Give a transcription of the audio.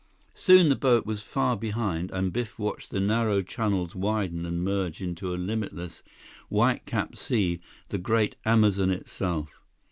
Soon the boat was far behind, and Biff watched the narrow channels widen and merge into a limitless, white capped sea—the great Amazon itself.